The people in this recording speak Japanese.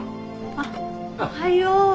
あっおはよう。